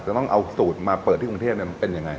ต้องเอาสูตรมาเปิดที่กรุงเทพมันเป็นยังไง